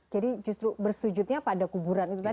jadi justru bersujudnya pada kuburan itu tadi ya pak